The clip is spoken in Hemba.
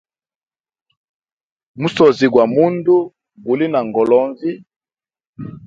Musozi gwa mundu guli na ngolonvi.